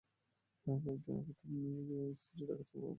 কয়েক দিন আগে তারা মিয়ার স্ত্রী ঢাকা থেকে বাবার বাড়ি আসেন।